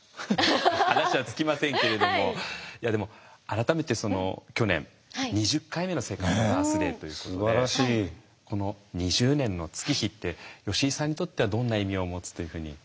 話は尽きませんけれどもいやでも改めて去年２０回目のセカンドバースデーということでこの２０年の月日って吉井さんにとってはどんな意味を持つというふうに感じてますか？